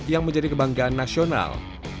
yang menjadi kebanggaan nasional